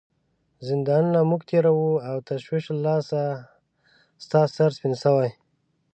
زندانونه موږ تیروو او تشویش له لاسه ستا سر سپین شوی.